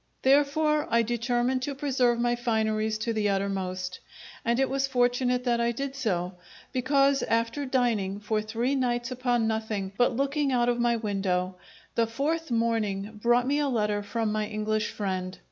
Therefore I determined to preserve my fineries to the uttermost; and it was fortunate that I did so; because, after dining, for three nights upon nothing but looking out of my window, the fourth morning brought me a letter from my English friend.